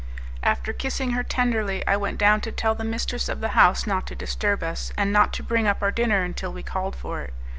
After kissing her tenderly, I went down to tell the mistress of the house not to disturb us, and not to bring up our dinner until we called for it.